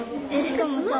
しかもさ。